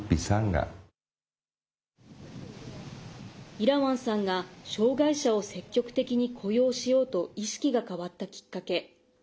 イラワンさんが障害者を積極的に雇用しようと意識が変わったきっかけ。